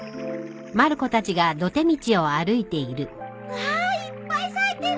わあいっぱい咲いてるね。